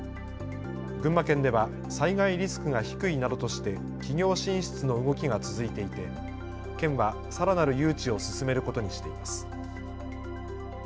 群馬県では災害リスクが低いなどとして企業進出の動きが続いていて県はさらなる誘致を進めることにしています。